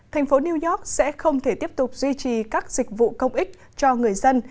thành phố new york sẽ không thể tiếp tục duy trì các dịch vụ công ích cho người dân